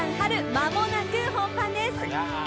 間もなく本番です。